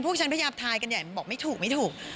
พวกฉันพยายามทายกันใหญ่บอกไม่ถูกไม่ถูก